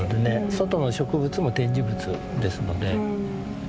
外の植物も展示物ですので。